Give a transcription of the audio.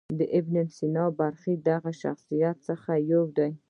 ابن سینا بلخي له دغو شخصیتونو څخه یو دی.